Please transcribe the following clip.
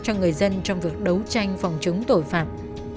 cho người dân trong việc đấu tranh phòng chống tội phạm